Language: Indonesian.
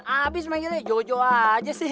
habis menggitanya jojo aja sih